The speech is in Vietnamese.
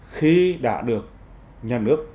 khi đã được nhà nước